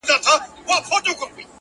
خو زه به بیا هم تر لمني انسان و نه نیسم؛